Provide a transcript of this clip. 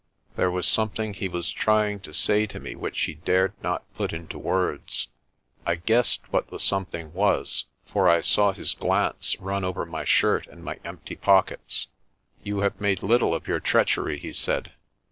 There was something he was trying to say to me which he dared not put into words. I guessed what the something was, for I saw his glance run over my shirt and my empty pockets. "You have made little of your treachery," he said.